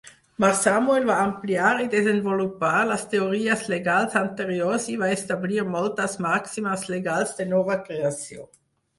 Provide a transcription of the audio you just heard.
Mar Samuel va ampliar i desenvolupar les teories legals anteriors i va establir moltes màximes legals de nova creació.